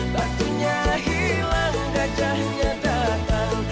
patunya hilang gajahnya datang